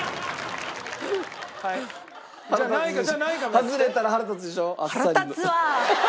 ハズレたら腹立つでしょ？